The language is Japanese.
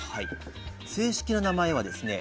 正式な名前はですね